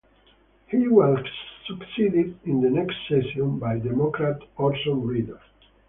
He was succeeded in the next session by Democrat Orson Reed.